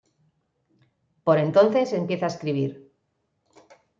Por entonces empieza a escribir.